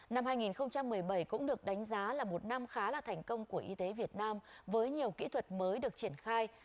năm hai nghìn một mươi bảy cũng được đánh giá là một năm khá là thành công của y tế việt nam với nhiều kỹ thuật mới được triển khai